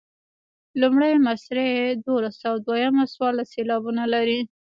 لومړۍ مصرع دولس او دویمه څوارلس سېلابونه لري.